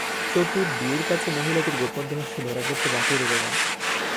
চতুর ডি-এর কাছে মহিলাটির গোপন রহস্য ধরা পড়তে বাকি রইল না।